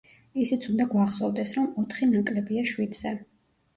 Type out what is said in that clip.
ისიც უნდა გვახსოვდეს, რომ ოთხი ნაკლებია შვიდზე.